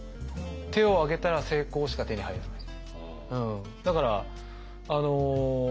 手を挙げたら成功しか手に入らない。